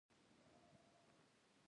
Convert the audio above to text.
د ایران تاریخ زرین دی.